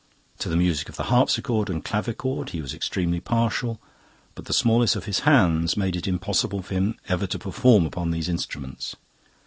To the music of the harpsichord and clavichord he was extremely partial, but the smallness of his hands made it impossible for him ever to perform upon these instruments.